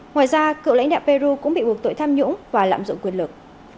ngoài ra cựu lãnh đạo peru cũng bị buộc tội tham nhũng và lạm dụng quyền lực